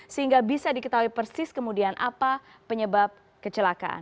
sehingga bisa diketahui persis kemudian apa penyebab kecelakaan